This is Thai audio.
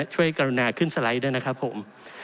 กรุณาขึ้นสไลด์ด้วยนะครับผม